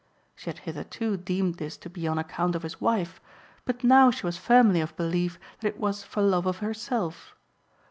She had hitherto deemed this to be on account of his wife, but now she was firmly of belief that it was for love of herself.